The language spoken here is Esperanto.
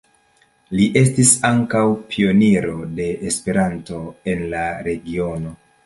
Li estis ankaŭ pioniro de Esperanto en la regiono.